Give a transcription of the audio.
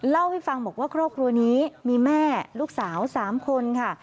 เล่าให้ฟังบอกว่าครอบครัวนี้มีแม่ลูกสาว๓คนค่ะ